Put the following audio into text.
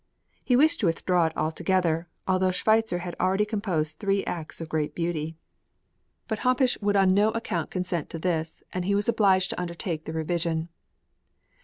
He wished to withdraw it altogether, although Schweitzer had already composed three acts of great beauty; but Hompesch would on no account consent to this, and he was obliged to undertake the revision.